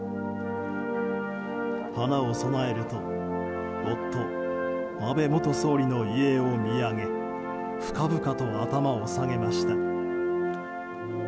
花を供えると夫・安倍元総理の遺影を見上げ深々と頭を下げました。